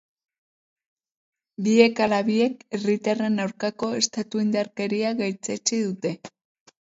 Biek ala biek herritarren aurkako estatu indarkeria gaitzetsi dute.